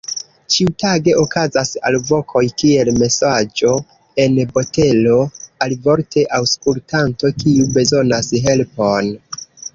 Ĉiutage okazas alvokoj kiel "Mesaĝo en botelo", alivorte aŭskultanto kiu bezonas helpon.